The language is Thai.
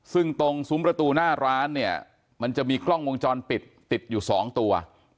ซึ่งตรงซุ้มประตูหน้าร้านเนี่ยมันจะมีกล้องวงจรปิดติดอยู่๒ตัว